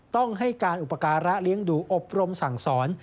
ต้องให้การอุปการะเลี้ยงดูอบรมสั่งสอน